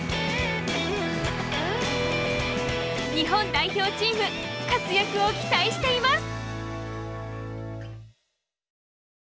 日本代表チーム活躍を期待しています！